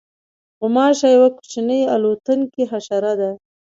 غوماشه یوه کوچنۍ الوتونکې حشره ده.